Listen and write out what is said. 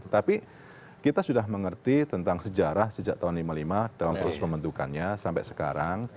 tetapi kita sudah mengerti tentang sejarah sejak tahun seribu sembilan ratus lima puluh lima dalam proses pembentukannya sampai sekarang